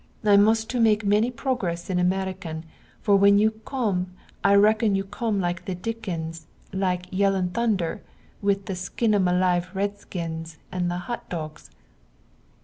I must to make many progress in American for when you come I reckon you come like the dickuns, like yellin thunder, with the skin'em alive Red skins and the hot dogs!